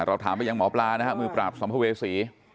เราถามไปยังหมอปลานะครับมือปราบสมภเวศรี